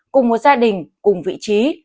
cùng một gia đình cùng vị trí